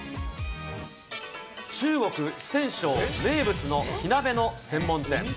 中国・四川省、名物の火鍋の専門店。